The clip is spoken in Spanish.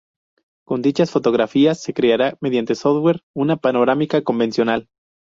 Con dichas fotografías se creará mediante software una panorámica convencional.